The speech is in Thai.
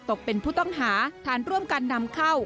ตกเป็นผู้ต้องหาฐานร่วมกันนำเข้า